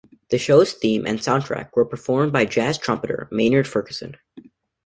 The show's theme and soundtrack were performed by jazz trumpeter Maynard Ferguson.